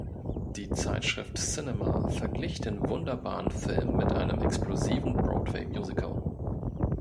Die Zeitschrift "Cinema" verglich den "„wunderbaren Film“" mit einem "„explosiven Broadway-Musical“".